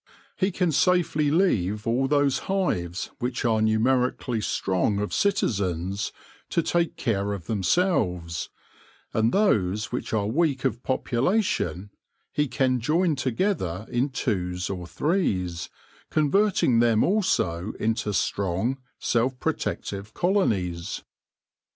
He can safely leave all those hives which are numerically strong of citizens to take care of themselves, and those which are weak of population he can join together in twos or threes, converting them also into strong, self protective colonies.